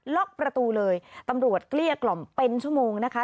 ล็อกประตูเลยตำรวจเกลี้ยกล่อมเป็นชั่วโมงนะคะ